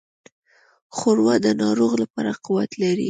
ښوروا د ناروغ لپاره قوت لري.